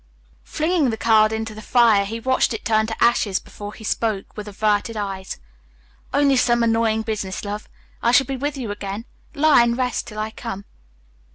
Flinging the card into the fire, he watched it turn to ashes before he spoke, with averted eyes: "Only some annoying business, love; I shall soon be with you again. Lie and rest till I come."